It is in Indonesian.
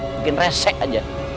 mungkin resek aja